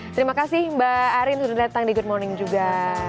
terima kasih mbak arin sudah datang di good morning juga